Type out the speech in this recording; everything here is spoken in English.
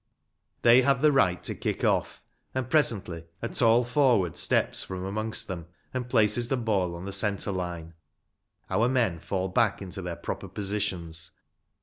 They have the right to kick off, and presently a tall forward steps from amongst them and places the ball on the centre line. Our men fall back into their proper positions.